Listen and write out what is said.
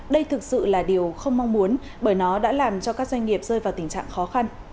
đây thực sự là điều không mong muốn bởi nó đã làm cho các doanh nghiệp rơi vào tình trạng khó khăn